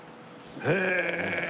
へえ！